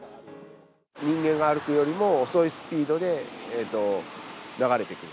人間が歩くよりも遅いスピードで流れてくる。